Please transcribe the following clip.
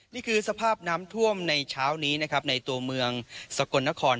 นี่คือสภาพน้ำท่วมในเช้านี้นะครับในตัวเมืองสกลนคร